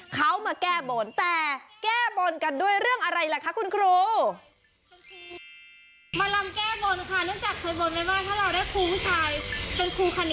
เขามาแก้บนแต่แก้บนกันด้วยเรื่องอะไรล่ะคะคุณครู